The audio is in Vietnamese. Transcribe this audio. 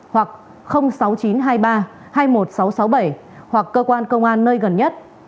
hoặc sáu mươi chín hai mươi ba hai mươi một nghìn sáu trăm sáu mươi bảy hoặc cơ quan công an nơi gần nhất